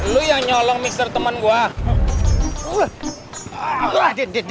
lu yang nyolong mixer temen gua